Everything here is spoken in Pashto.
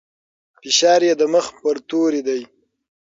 فشار يې د مخ پر توري دی.